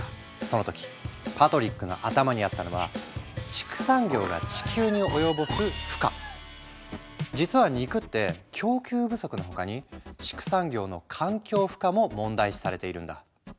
その時パトリックの頭にあったのは実は肉って供給不足の他に畜産業の環境負荷も問題視されているんだ。